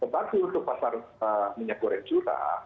tetapi untuk pasar minyak goreng curah